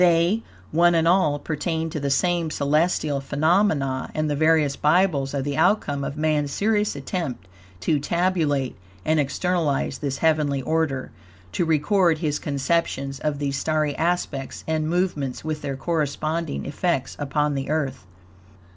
They, one and all, pertain to the same celestial phenomena, and the various Bibles are the outcome of man's serious attempt to tabulate and externalize this heavenly order, to record his conceptions of these starry aspects and movements with their corresponding effects upon the Earth.